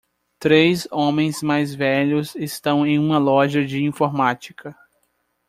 Três homens mais velhos estão em uma loja de informática.